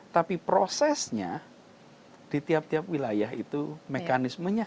tapi prosesnya di tiap tiap wilayah itu mekanismenya